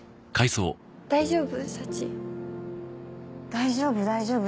「大丈夫？大丈夫？」